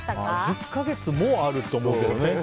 １０か月もあるって思うけどね。